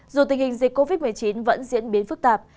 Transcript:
dù tình hình dịch covid một mươi chín vẫn diễn biến phức tạp